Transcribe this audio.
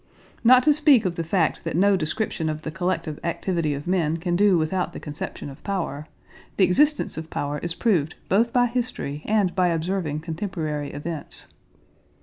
Not to speak of the fact that no description of the collective activity of men can do without the conception of power, the existence of power is proved both by history and by observing contemporary events.